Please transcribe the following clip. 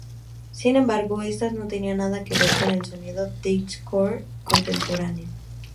Sin embargo, estas no tenían nada que ver con el sonido deathcore contemporáneo.